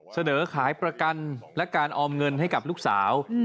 เสนอขายประกันและการออมเงินให้กับลูกสาว